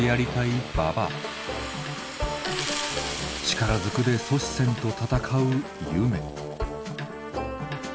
力ずくで阻止せんと闘うゆめ。